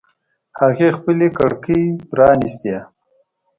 هغې خپلې کړکۍ پرانیستې